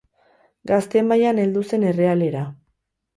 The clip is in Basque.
Gazte mailan heldu zen Errealera.